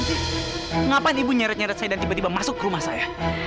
kenapa ibu nyaret nyaret saya dan tiba tiba masuk ke rumah saya